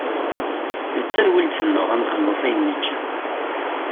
D tadwilt-nneɣ ad nxelles ayen nečča.